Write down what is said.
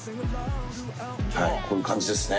はいこういう感じですね。